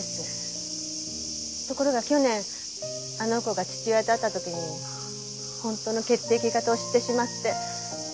ところが去年あの子が父親と会った時に本当の血液型を知ってしまって。